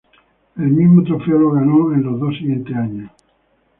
El mismo trofeo los ganó en los dos siguientes años.